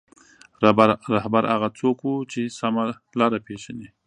رهبر هغه څوک وي چې سمه لاره پېژني.